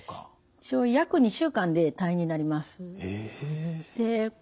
一応約２週間で退院になります。